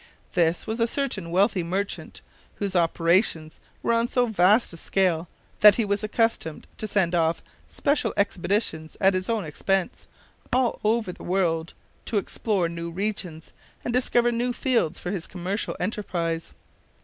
This was a certain wealthy merchant, whose operations were on so vast a scale that he was accustomed to send off special expeditions at his own expense, all over the world, to explore new regions and discover new fields for his commercial enterprise.